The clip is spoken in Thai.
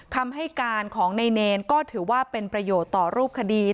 คำให้การของในเนรก็ถือว่าเป็นประโยชน์ต่อรูปคดี